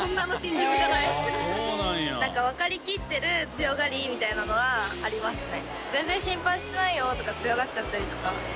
なんかわかりきってる強がりみたいなのはありますね。